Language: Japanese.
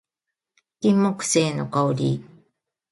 金木犀の香り